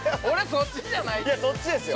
◆そっちですよ。